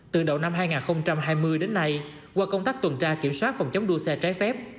từ đầu năm hai nghìn hai mươi đến nay qua công tác tuần tra kiểm soát phòng chống đua xe trái phép